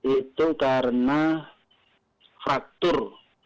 itu karena faktur